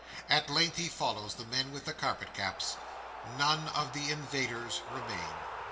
At length he follows the men with the carpet caps. None of the invaders remain.